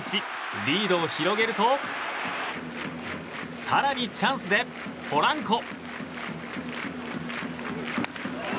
リードを広げると更にチャンスでポランコ。